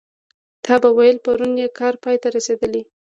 تا به ویل پرون یې کار پای ته رسېدلی.